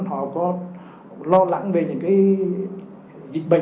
họ có lo lắng về những dịch bệnh